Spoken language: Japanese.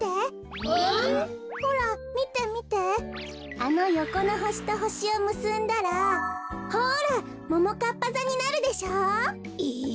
あのよこのほしとほしをむすんだらほらももかっぱざになるでしょう？